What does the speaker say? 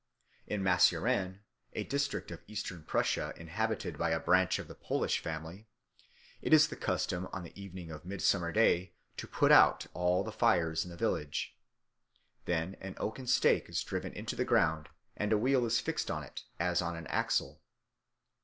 In Masuren, a district of Eastern Prussia inhabited by a branch of the Polish family, it is the custom on the evening of Midsummer Day to put out all the fires in the village. Then an oaken stake is driven into the ground and a wheel is fixed on it as on an axle.